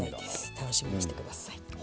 楽しみにしてください。